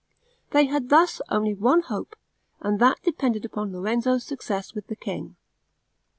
They had thus only one hope, and that depended upon Lorenzo's success with the king.